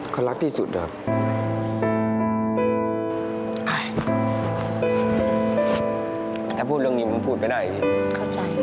เขารักที่สุดนะครับ